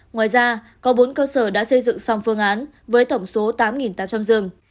ngoài ra có bốn cơ sở đã xây dựng xong phương án với tổng số tám tám trăm linh rừng